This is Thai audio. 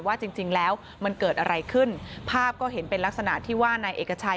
จริงจริงแล้วมันเกิดอะไรขึ้นภาพก็เห็นเป็นลักษณะที่ว่านายเอกชัย